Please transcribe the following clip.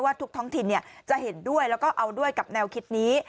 ทุกท้องถิ่นจะเห็นด้วยแล้วก็เอาด้วยกับแนวคิดนี้